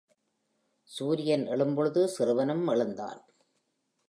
சூரியன் எழும் பொழுது சிறுவனும் எழுந்தான்.